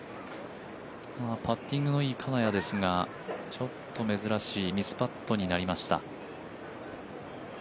パッティングのいい金谷ですがちょっと珍しいミスパットになりました。